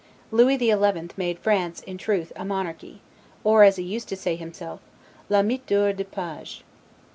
Lewis the Eleventh made France, in truth, a monarchy, or, as he used to say himself, 'la mit hors de Page'.